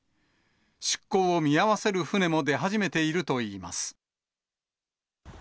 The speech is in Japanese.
出港を見合わせる船も出始めているといいます。